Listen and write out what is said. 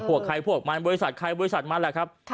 พวกใครพวกมันบริษัทใครบริษัทมันแหละครับ